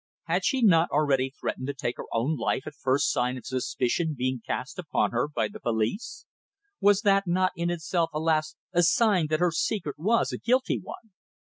Had she not already threatened to take her own life at first sign of suspicion being cast upon her by the police! Was that not in itself, alas! a sign that her secret was a guilty one?